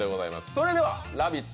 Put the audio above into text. それでは「ラヴィット！」